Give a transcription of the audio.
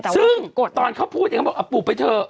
ซึ่งตอนเขาพูดปลูกไปเถอะ